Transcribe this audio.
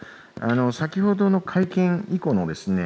先ほどの会見以降のですね